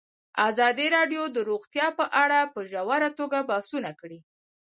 ازادي راډیو د روغتیا په اړه په ژوره توګه بحثونه کړي.